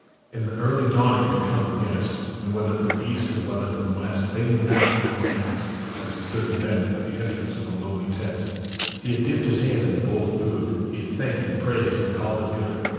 In the early dawning had come the guest, And whether from east or whether from west They knew not, nor asked, as he stood and bent At the entrance of the lowly tent : He had dipped his hand in the bowl of food, He had thanked and praised and called it good ; 212 WHAT THE ANGEL SAW.